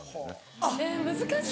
えっ難しい！